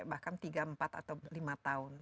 bahkan tiga empat atau lima tahun